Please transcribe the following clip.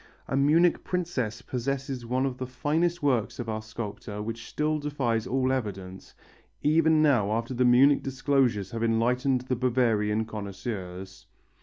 A Munich princess possesses one of the finest works of our sculptor which still defies all evidence even now after the Munich disclosures have enlightened the Bavarian connoisseurs.